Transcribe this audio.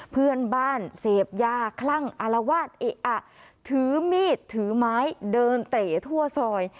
เพื่อนบ้านเสพยาคลั่งอารวาสเอะอะถือมีดถือไม้เดินเต๋ทั่วซอย